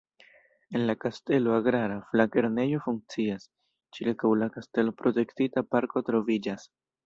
En la kastelo agrara faklernejo funkcias, ĉirkaŭ la kastelo protektita parko troviĝas.